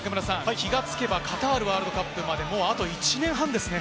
気がつけばカタールワールドカップまでもう、あと１年半ですね。